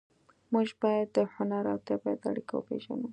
موږ باید د هنر او طبیعت اړیکه وپېژنو